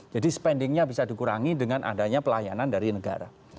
jadi spendingnya bisa dikurangi dengan adanya pelayanan dari negara